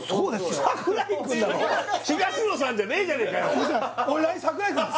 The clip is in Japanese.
東野さんじゃねえじゃねえかよ